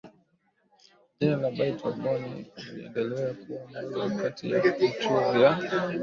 jina la Bight of Bonny iliendelea kuwa moja kati ya vituo vya